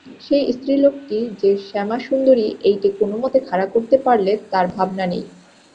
সেই স্ত্রীলোকটি যে শ্যামাসুন্দরী এইটে কোনোমতে খাড়া করতে পারলে আর ভাবনা নেই।